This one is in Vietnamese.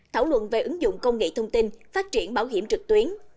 thảo luận về ứng dụng công nghệ thông tin phát triển bảo hiểm trực tuyến